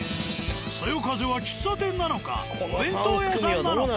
「そよ風」は喫茶店なのかお弁当屋さんなのか